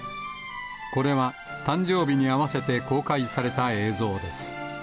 これは、誕生日に合わせて公開された映像です。